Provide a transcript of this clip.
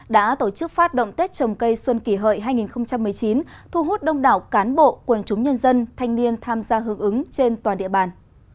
đã tổ chức phát động tết trồng cây xuân kỷ hợi hai nghìn một mươi chín thu hút đông đảo cán bộ quần chúng nhân dân thanh niên tham gia hướng ứng trên toàn địa bàn